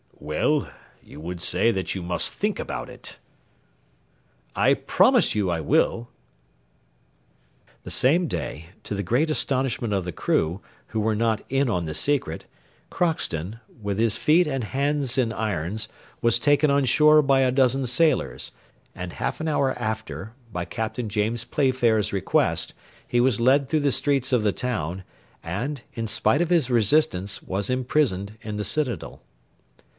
"Well, you will say that you must think about it." "I promise you I will." The same day, to the great astonishment of the crew, who were not in the secret, Crockston, with his feet and hands in irons, was taken on shore by a dozen sailors, and half an hour after, by Captain James Playfair's request, he was led through the streets of the town, and, in spite of his resistance, was imprisoned in the citadel.